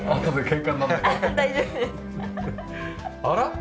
あら？